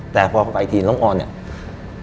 แต่พอเข้าไปทีน้องออนเนี่ย